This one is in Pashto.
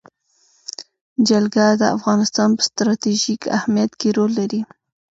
جلګه د افغانستان په ستراتیژیک اهمیت کې رول لري.